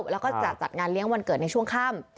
แล้วก็จะจัดงานเลี้ยงวันเกิดในช่วงค่ำ